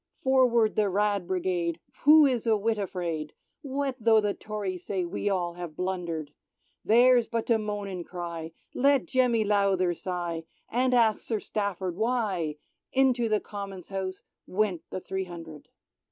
Forward the " Rad." Brigade ! Who is a whit afraid ? What tho' the Tories say we all have blundered ? Theirs but to moan and cry — let Jemmy Lowther sigh, and ask Sir Stafford "Why? " Into the Common's House went the three hundred.